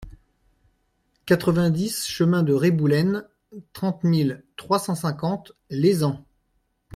quatre-vingt-dix chemin de Reboulène, trente mille trois cent cinquante Lézan